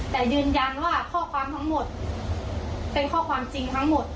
แต่ยืนยันว่าข้อความทั้งหมดเป็นข้อความจริงทั้งหมด